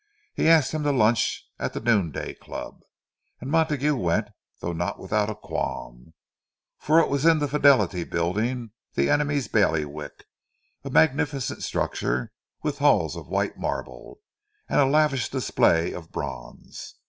He asked him to lunch at the Noonday Club; and Montague went—though not without a qualm. For it was in the Fidelity Building, the enemy's bailiwick: a magnificent structure with halls of white marble, and a lavish display of bronze.